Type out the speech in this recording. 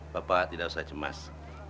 bapak tidak usah cemas